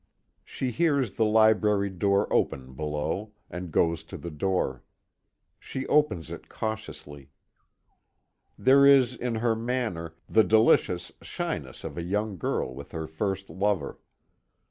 She hears the library door open below, and goes to the door. She opens it cautiously. There is in her manner, the delicious shyness of a young girl with her first lover.